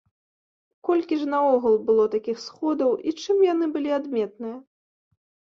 Колькі ж наогул было такіх сходаў і чым яны былі адметныя?